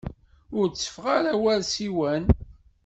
Ur tteffeɣ ara war ssiwan.